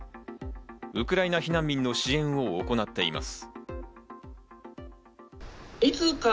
ウクライナ避難民の支援を行っています。